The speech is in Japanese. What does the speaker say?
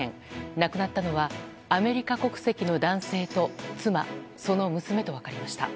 亡くなったのはアメリカ国籍の男性と妻その娘と分かりました。